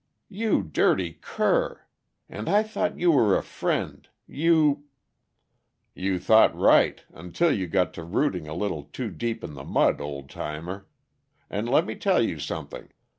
"You dirty cur! And I thought you were a friend. You " "You thought right until you got to rooting a little too deep in the mud, old timer. And let me tell you something.